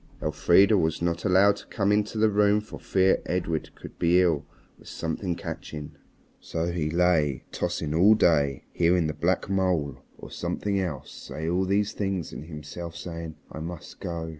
Elfrida was not allowed to come into the room for fear Edred should be ill with something catching. So he lay tossing all day, hearing the black mole, or something else, say all these things and himself saying, "I must go.